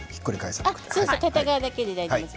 片側だけで大丈夫です。